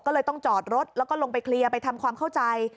ก็เลยต้องจอดรถแล้วก็ลงไปเคลียร์ไปทำความเข้าใจ